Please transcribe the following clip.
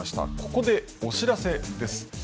ここでお知らせです。